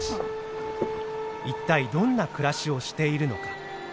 一体どんな暮らしをしているのか？